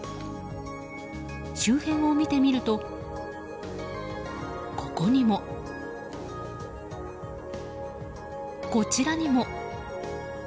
周辺を見てみるとここにも、こちらにも。